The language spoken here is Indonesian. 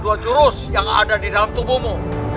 dua jurus yang ada di dalam tubuhmu